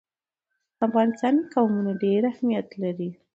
په افغانستان کې قومونه ډېر اهمیت لري.